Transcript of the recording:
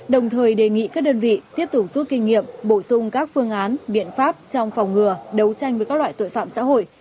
đồng thời đề nghị các đơn vị tiếp tục rút kinh nghiệm bổ sung các phương án biện pháp trong phòng ngừa đấu tranh với các loại tội phạm xã hội